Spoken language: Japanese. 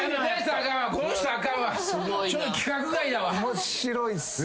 面白いっすね。